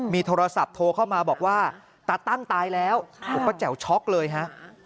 มีโทรศัพท์โทรเข้ามาบอกว่าตาตั้งตายแล้วป้าแจ๋วช็อกเลยฮะ